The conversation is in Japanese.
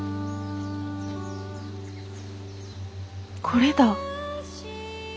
これだ。